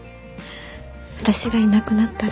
私がいなくなったら。